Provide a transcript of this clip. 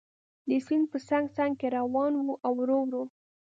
د سیند په څنګ څنګ کې روان و او ورو ورو.